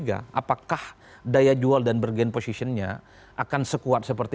apakah daya jual dan bergen posisinya akan sekuat seperti